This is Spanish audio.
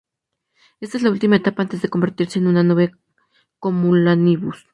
Esta es la última etapa antes de convertirse en una nube cumulonimbus.